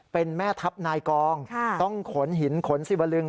เป็นแม่ทัพนายกองต้องขนหินขนสิวลึง